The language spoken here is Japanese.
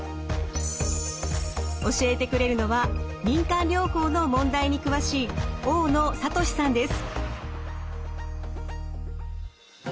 教えてくれるのは民間療法の問題に詳しい大野智さんです。